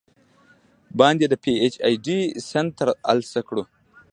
باندې د پې اي چ ډي سند تر السه کړو ۔